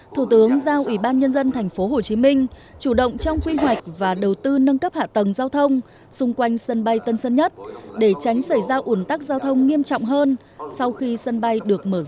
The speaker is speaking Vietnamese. thủ tướng giao ủy ban nhân dân tp hcm chủ động trong quy hoạch và đầu tư nâng cấp hạ tầng giao thông xung quanh sân bay tân sơn nhất để tránh xảy ra ủn tắc giao thông nghiêm trọng hơn sau khi sân bay được mở rộng